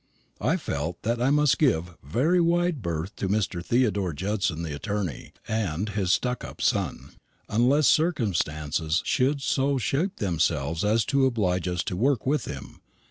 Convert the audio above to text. I felt that I must give a very wide berth to Mr. Theodore Judson the attorney, and his stuck up son, unless circumstances should so shape themselves as to oblige us to work with him.